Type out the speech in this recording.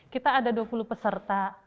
kita ada dua puluh peserta